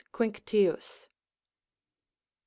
QuiNCTius. T.